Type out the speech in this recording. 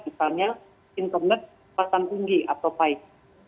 misalnya internet kekuasaan tinggi atau pais